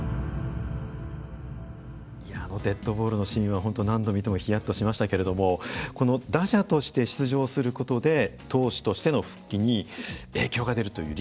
デッドボールのシーンは本当何度見てもひやっとしましたけれどもこの打者として出場することで投手としての復帰に影響が出るというリスク。